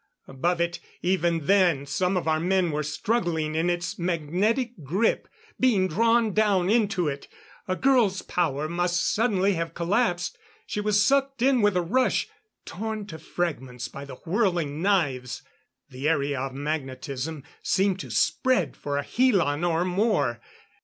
Above it, even then some of our men were struggling in its magnetic grip ... being drawn down into it ... a girl's power must suddenly have collapsed; she was sucked in with a rush torn to fragments by the whirling knives.... The area of magnetism seemed to spread for a helan or more.